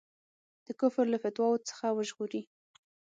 د کفر له فتواوو څخه وژغوري.